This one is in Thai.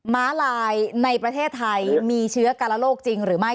ม้าลายในประเทศไทยมีเชื้อกาลโลกจริงหรือไม่